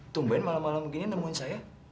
tungguin malam malam gini nemuin saya